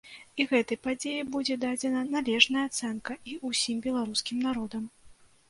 І гэтай падзеі будзе дадзена належная ацэнка і ўсім беларускім народам.